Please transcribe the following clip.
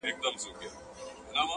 غل په غره کي هم ځای نه لري -